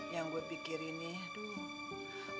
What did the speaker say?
yang gua pikirin nih duh